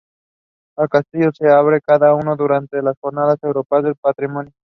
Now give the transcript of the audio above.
El castillo se abre cada ano durante las Jornadas Europeas de Patrimonio.